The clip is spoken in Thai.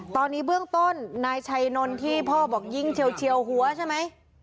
ตอนนี้เบื้องต้นนายชัยนนท์ที่พ่อบอกยิงเฉียวหัวใช่ไหม